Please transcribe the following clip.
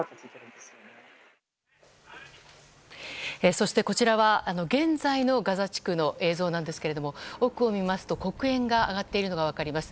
そしてこちらは現在のガザ地区の映像なんですが奥を見ますと、黒煙が上がっているのが分かります。